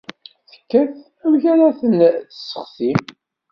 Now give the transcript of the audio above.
Tekkat amek ara as-ten-tesseɣti.